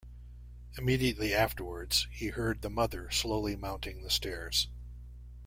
Immediately afterwards he heard the mother slowly mounting the stairs.